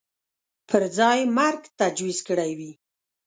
پر ځای مرګ تجویز کړی وي